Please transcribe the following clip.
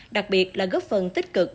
đặc biệt là góp phần tích cực